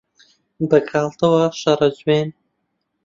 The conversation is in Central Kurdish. بەگاڵتەوە شەڕە جوێن